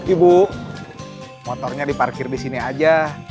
ibu motornya diparkir di sini aja